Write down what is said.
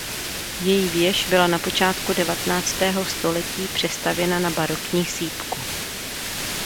Její věž byla na počátku devatenáctého století přestavěna na barokní sýpku.